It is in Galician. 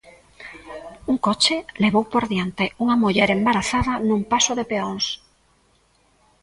Un coche levou por diante unha muller embarazada nun paso de peóns.